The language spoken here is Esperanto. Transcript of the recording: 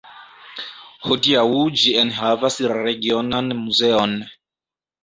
Hodiaŭ ĝi enhavas la regionan muzeon.